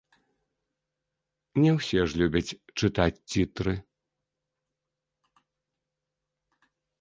Не ўсе ж любяць чытаць цітры.